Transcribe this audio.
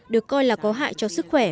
được coi là có hại cho sức khỏe